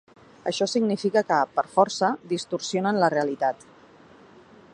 Això significa que, per força, distorsionen la realitat.